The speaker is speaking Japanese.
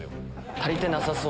足りてなさそう。